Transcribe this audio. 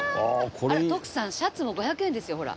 あら徳さんシャツも５００円ですよほら。